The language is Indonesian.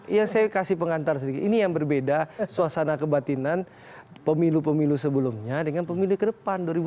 ya saya kasih pengantar sedikit ini yang berbeda suasana kebatinan pemilu pemilu sebelumnya dengan pemilu ke depan dua ribu dua puluh